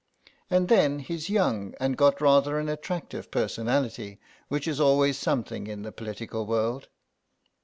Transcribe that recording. And then he's young and got rather an attractive personality, which is always something in the political world."